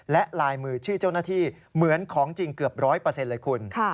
และลายมือชื่อเจ้าหน้าที่เหมือนของจริงเกือบ๑๐๐เลยคุณ